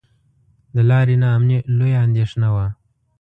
د لارې نا امني لویه اندېښنه وه.